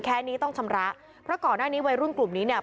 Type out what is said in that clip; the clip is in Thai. แค่นี้ต้องชำระเพราะก่อนหน้านี้วัยรุ่นกลุ่มนี้เนี่ย